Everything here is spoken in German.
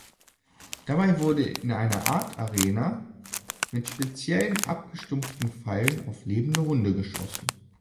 Dabei wurde in einer Art Arena mit speziellen abgestumpften Pfeilen auf lebende Hunde geschossen.